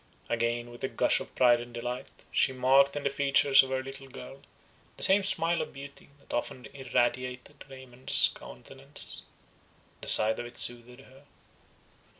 Again, with a gush of pride and delight, she marked in the features of her little girl, the same smile of beauty that often irradiated Raymond's countenance. The sight of it soothed her.